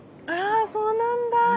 ああそうなんだ！